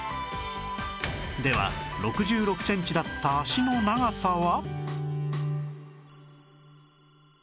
では６６センチだった脚の長さは